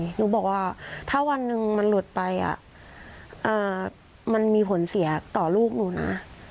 หนูบอกว่าถ้าวันหนึ่งมันหลุดไปมันมีผลเสียต่อลูกหนูนะ